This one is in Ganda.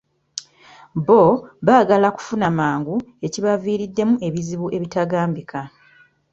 Bo baagala kufuna mangu ekibaviiriddemu ebizibu ebitagambika.